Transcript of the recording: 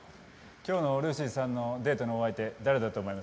今日のルーシーさんのデートのお相手誰だと思います？